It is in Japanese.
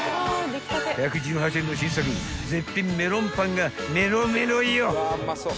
［１１８円の新作絶品メロンパンがメロメロよ］